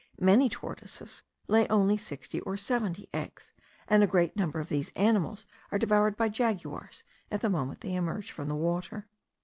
Many tortoises lay only sixty or seventy eggs; and a great number of these animals are devoured by jaguars at the moment they emerge from the water.